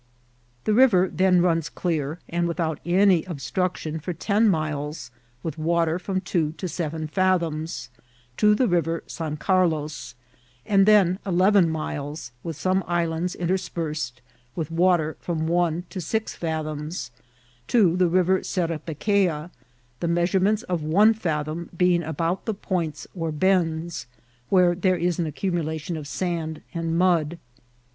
The river then runs clear, and without any obstruction for ten miles, with water from two to seven fathoms, to the River San Carlos, and then eleven miles, with some islands interspersed, with water from one to six fathoms, to the River Serapequea, the measurements of one fathom being about the points or bends, where there is an accumulation of sand and mud.